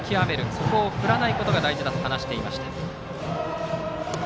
そこを振らないことが大事だと話していました。